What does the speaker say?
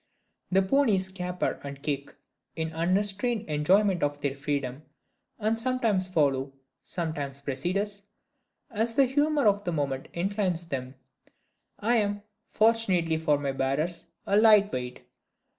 The ponies caper and kick, in unrestrained enjoyment of their freedom; and sometimes follow, sometimes precede us, as the humor of the moment inclines them. I am, fortunately for my bearers, a light weight.